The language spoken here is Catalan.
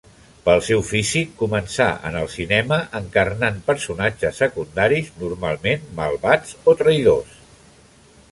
Pel seu físic, començà en el cinema encarnant personatges secundaris normalment malvats o traïdors.